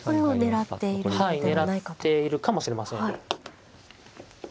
はい狙っているかもしれません。